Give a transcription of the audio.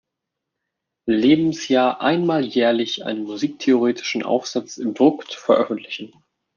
Lebensjahr einmal jährlich einen musiktheoretischen Aufsatz im Druck zu veröffentlichen.